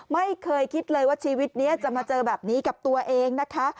ไม่เคยคิดเลยว่าชีวิตนี้จะมาเจอแบบนี้กับตัวเองนะคะ